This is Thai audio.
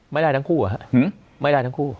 ไม่ได้ทั้งคู่อะฮะไม่ได้ทั้งคู่